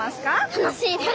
楽しいです。